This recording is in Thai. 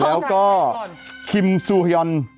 แล้วก็คิมซูฮยอน